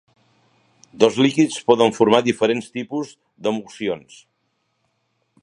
Dos líquids poden formar diferents tipus d'emulsions.